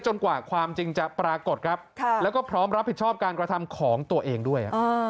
กว่าความจริงจะปรากฏครับแล้วก็พร้อมรับผิดชอบการกระทำของตัวเองด้วย